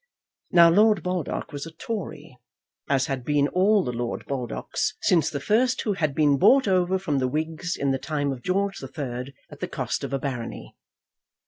Now Lord Baldock was a Tory, as had been all the Lord Baldocks, since the first who had been bought over from the Whigs in the time of George III at the cost of a barony.